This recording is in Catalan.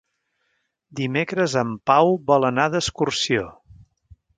Dimecres en Pau vol anar d'excursió.